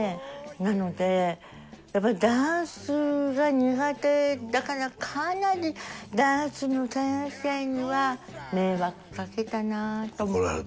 なのでダンスが苦手だからかなりダンスの先生には迷惑かけたなと思って。